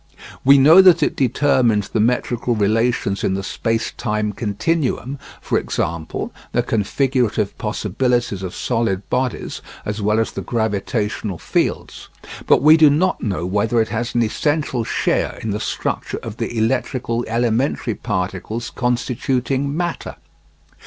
We know that it determines the metrical relations in the space time continuum, e.g. the configurative possibilities of solid bodies as well as the gravitational fields; but we do not know whether it has an essential share in the structure of the electrical elementary particles constituting matter.